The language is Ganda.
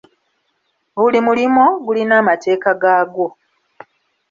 Buli mulimo gulina amateeka gagwo.